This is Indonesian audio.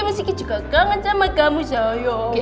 miss kiki juga kangen sama kamu sayang